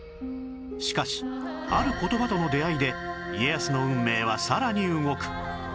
しかしある言葉との出会いで家康の運命はさらに動く